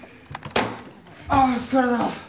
ああ疲れた。